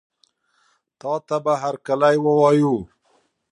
تاته به هرکلی ووایو.